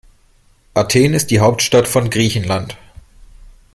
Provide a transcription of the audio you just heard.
Athen ist die Hauptstadt von Griechenland.